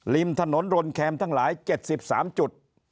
ริมถนนรนแคมทั้งหลาย๗๓จุด